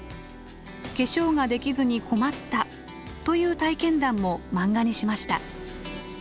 「化粧ができずに困った」という体験談も漫画にしました。